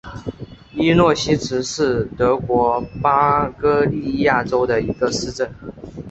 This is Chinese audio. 诺伊西茨是德国巴伐利亚州的一个市镇。